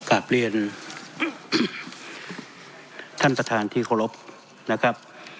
กลับเรียนท่านประธานที่เคารพนะครับ